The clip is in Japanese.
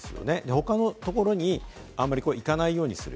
他の木にあまり行かないようにする。